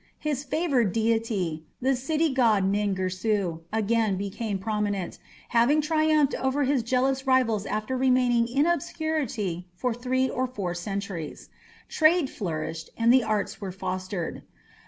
His favoured deity, the city god Nin Girsu, again became prominent, having triumphed over his jealous rivals after remaining in obscurity for three or four centuries. Trade flourished, and the arts were fostered.